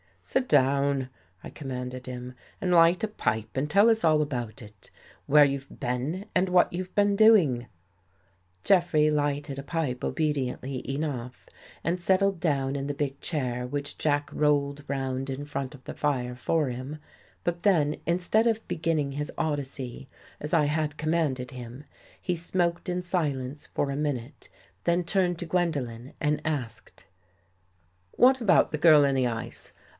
" Sit down," I commanded him, " and light a pipe, and tell us all about it. Where you've been and what you've been doing." Jeffrey lighted a pipe obediently enough, and set tled down in the big chair which Jack rolled round in front of the fire for him, but then instead of be ginning his Odyssey, as I had commanded him, he smoked in silence for a minute, then turned to Gwen dolen and asked: "What about the girl in the ice?